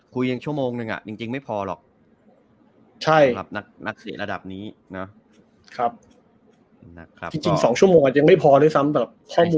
พูดชั่วโมงหนึ่งอ่ะจริงไม่พอหรอกใช่สำหรับนักศึกระดับนี้นะครับ